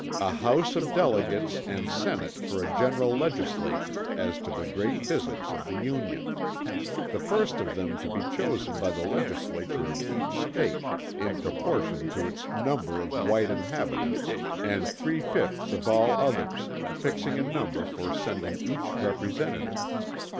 A house of delegates and senate for a general legislature, as to the great business of the Union. The first of them to be chosen by the legislature of each State, in proportion to its number of white inhabitants, and three fifths of all others, fixing a number for sending each representative.